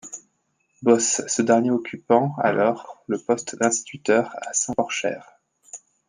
Bosse, ce dernier occupant alors le poste d'instituteur à Saint-Porchaire.